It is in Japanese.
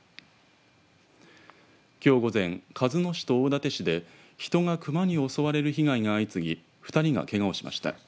きょう午前、鹿角市と大館市で人がクマに襲われる被害が相次ぎ２人がけがをしました。